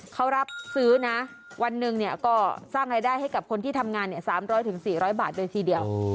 เขารับซื้อนะวันหนึ่งก็สร้างรายได้ให้กับคนที่ทำงาน๓๐๐๔๐๐บาทเลยทีเดียว